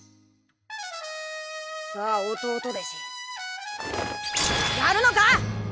さあ弟弟子やるのか？